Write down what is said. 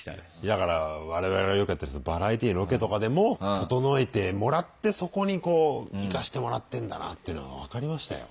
だから我々がよくやってるバラエティーのロケとかでも整えてもらってそこにこう行かしてもらってんだなっていうのが分かりましたよ。